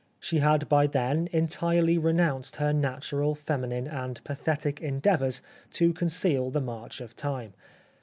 She had by then entirely renounced her natural, feminine, and pathetic endeavours to conceal the march of Time.